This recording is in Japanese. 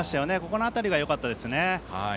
この辺りがよかったですね。